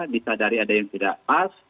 disa dari ada yang tidak pas